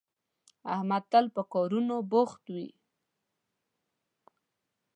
احمد تل په کارونو بوخت وي